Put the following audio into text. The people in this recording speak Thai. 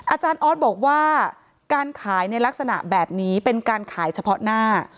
อาจารย์ออสบอกว่าการขายในลักษณะแบบนี้เป็นการขายเฉพาะหน้า